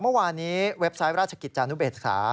เมื่อวานนี้เว็บไซต์ราชกิจจานุเบกษา